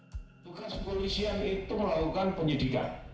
kepolisian itu melakukan penyidikan